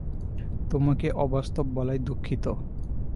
তোমাকে অবাস্তব বলায় দুঃখিত।